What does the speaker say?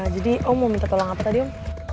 jadi om mau minta tolong apa tadi om